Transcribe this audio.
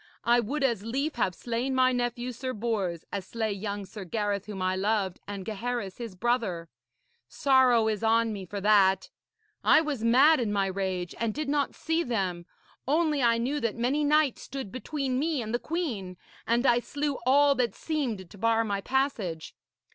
I would as lief have slain my nephew, Sir Bors, as slay young Sir Gareth whom I loved, and Gaheris his brother. Sorrow is on me for that! I was mad in my rage and did not see them. Only I knew that many knights stood between me and the queen, and I slew all that seemed to bar my passage.'